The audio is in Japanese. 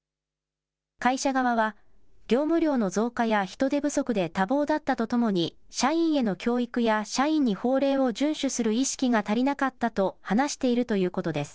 会社側は、業務量の増加や人手不足で多忙だったとともに、社員への教育や社員に法令を順守する意識が足りなかったと話しているということです。